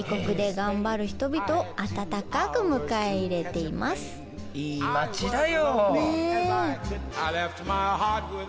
いい町だよ。